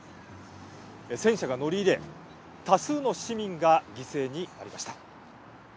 戦車が乗り入れ多数の市民が犠牲になりました。